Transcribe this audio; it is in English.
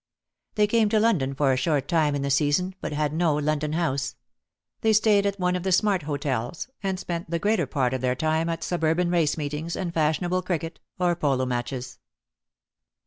They came to London for a short time in the season, but had no London house. They stayed at one of the smart hotels, and spent the greater part of their time at suburban race meetings and fashion able cricket or polo matches.